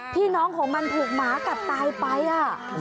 พี่น้องของมันถูกหมากัดตายไปอ่ะ